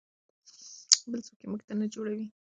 بل څوک یې موږ ته نه جوړوي.